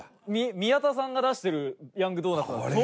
宮田さんが出してるヤングドーナツなんですよ。